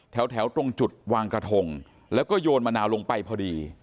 แถวตรงจุดวางกระทงแล้วก็โยนมะนาวลงไปพอดี